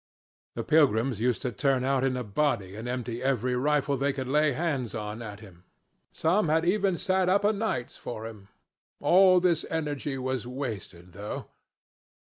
The pilgrims used to turn out in a body and empty every rifle they could lay hands on at him. Some even had sat up o' nights for him. All this energy was wasted, though.